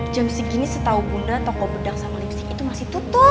jam segini setahu bunda toko bedak sama lipsy itu masih tutup